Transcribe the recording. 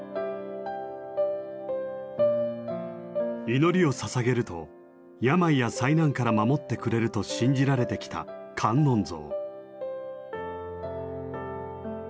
祈りを捧げると病や災難から守ってくれると信じられてきた観音像。